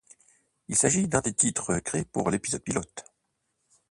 Il s'agit d'un des titres créés pour l'épisode pilote.